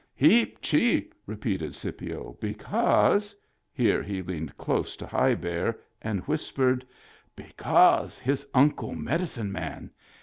"Heap cheap," repeated Scipio, "because" (here he leaned close to High Bear and whis pered) "because his uncle medicine man.